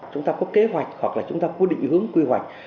chúng ta có kế hoạch hoặc là chúng ta có định hướng quy hoạch